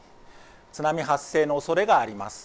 津波発生のおそれがあります。